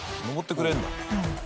登ってくれるんだ。